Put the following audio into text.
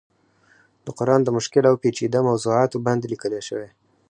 د قرآن د مشکل او پيچيده موضوعاتو باندې ليکلی شوی